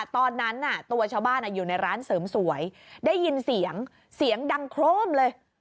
ตอนนั้นตัวชาวบ้านอยู่ในร้านเสริมสวยได้ยินเสียงเสียงดังโครมเลย